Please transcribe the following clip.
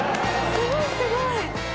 すごいすごい。